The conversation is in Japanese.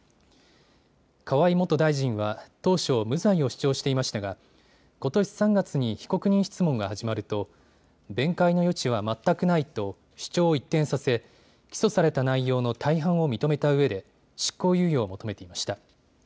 河井元大臣は当初、無罪を主張していましたがことし３月に被告人質問が始まると弁解の余地は全くないと主張を一転させ起訴された内容の大半を認めたうえで執行猶予を求めていました。